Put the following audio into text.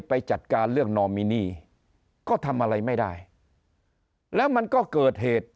ไปจัดการเรื่องนอมินีก็ทำอะไรไม่ได้แล้วมันก็เกิดเหตุ